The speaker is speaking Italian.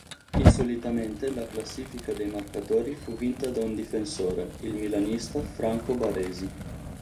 Insolitamente, la classifica dei marcatori fu vinta da un difensore, il milanista Franco Baresi.